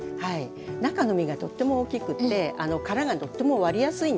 中の実がとっても大きくって殻がとっても割りやすいんですね。